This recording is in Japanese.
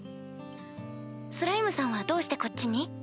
スライムさんはどうしてこっちに？